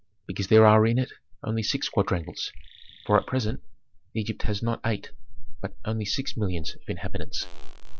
Because there are in it only six quadrangles, for at present Egypt has not eight, but only six millions of inhabitants.